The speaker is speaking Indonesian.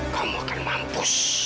kamu akan mampus